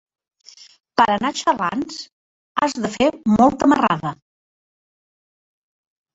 Per anar a Xalans has de fer molta marrada.